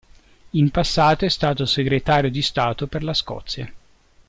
In passato è stato Segretario di Stato per la Scozia.